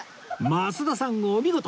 増田さんお見事！